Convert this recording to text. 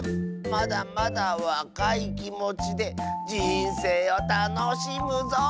まだまだわかいきもちでじんせいをたのしむぞ！